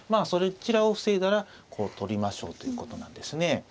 そちらを防いだらこう取りましょうということなんですね。